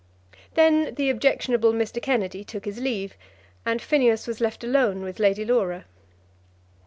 Then the objectionable Mr. Kennedy took his leave, and Phineas was left alone with Lady Laura.